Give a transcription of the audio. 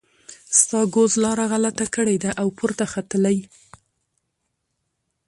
ستا ګوز لاره غلطه کړې ده او پورته ختلی.